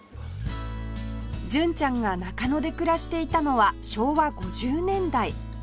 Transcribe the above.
純ちゃんが中野で暮らしていたのは昭和５０年代